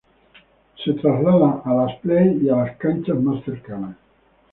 Se trasladan a las play y a las canchas más cercanas.